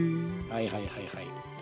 はいはいはいはい。